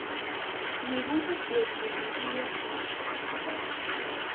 Yiwen ur d-yerzi fell-i ass-a.